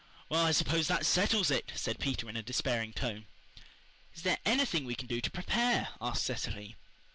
"Well, I suppose that settles it," said Peter, in despairing tone. "Is there anything we can do to PREPARE?" asked Cecily.